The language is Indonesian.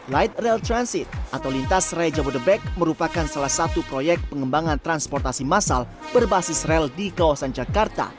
light rail transit atau lintas raya jabodebek merupakan salah satu proyek pengembangan transportasi massal berbasis rel di kawasan jakarta